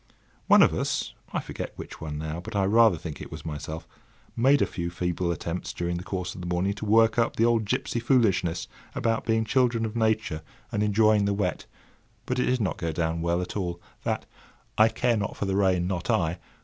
One of us—I forget which one now, but I rather think it was myself—made a few feeble attempts during the course of the morning to work up the old gipsy foolishness about being children of Nature and enjoying the wet; but it did not go down well at all. That— "I care not for the rain, not I!"